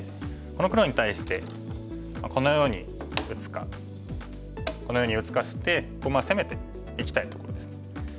この黒に対してこのように打つかこのように打つかして攻めていきたいところです。